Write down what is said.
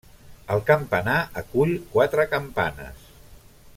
El campanar acull quatre campanes.